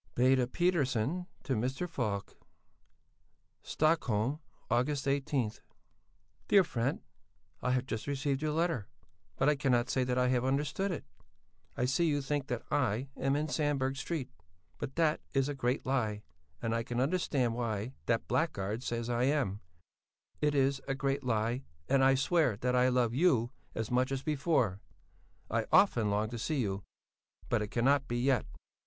BEDA PETTERSON to MR. FALK STOCKHOLM, August 18 DEAR FRENT, i have just receeved your letter, but i cannot say that i have understood it, i see you think that i am in Sandberg Street, but that is a grate lie and i can undertand why that blackgard says i am, it is a grate lie and i sware that i love you as much as befor, i often long to see you but it canot be yet.